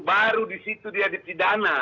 baru disitu dia dipidana